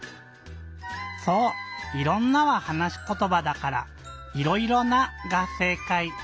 そう「いろんな」ははなしことばだから「いろいろな」がせいかい。